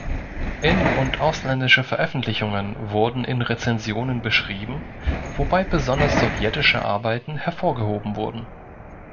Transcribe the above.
In- und ausländische Veröffentlichungen wurden in Rezensionen beschrieben, wobei besonders sowjetische Arbeiten hervorgehoben wurden.